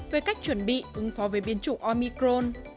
về cách chuẩn bị ứng phó với biến chủng omicron